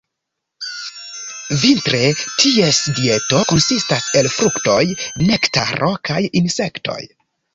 Vintre ties dieto konsistas el fruktoj, nektaro kaj insektoj.